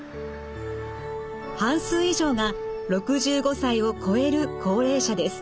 半数以上が６５歳を越える高齢者です。